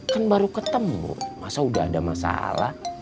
kan baru ketemu masa udah ada masalah